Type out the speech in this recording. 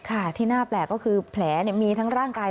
ค่ะที่น่าแปลกก็คือแผลมีทั้งร่างกาย